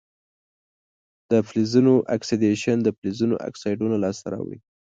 د فلزونو اکسیدیشن د فلزونو اکسایدونه لاسته راوړي.